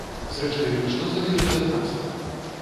Зрэшты, што залежыць ад нас?